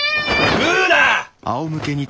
グーっだ。